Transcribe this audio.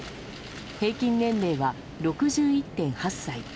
平均年齢は６１．８歳。